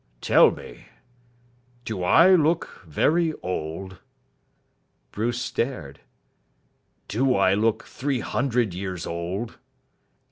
"Tell me, do I look very old?" Bruce stared. "Do I look three hundred years old?"